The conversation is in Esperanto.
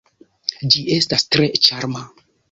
Ĝi estas tre ĉarma.